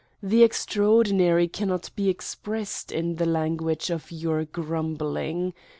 The extraordin~ ary ccmnot be expressed in the language of your grumbling.